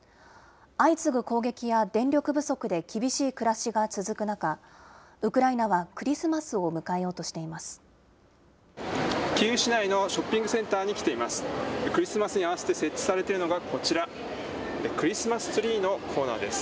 相次ぐ攻撃や電力不足で厳しい暮らしが続く中、ウクライナはクリスマスを迎えようとしています。